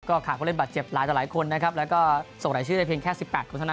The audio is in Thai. ก็ขาดเพื่อเล่นบัตรเจ็บหลายต่อหลายคนนะครับแล้วก็ส่งหลายชื่อได้เพียงแค่สิบแปดคนเท่านั้น